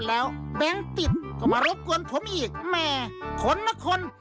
แบงก์ติดก็มารบกวนผมอีกแม่ขนนะคน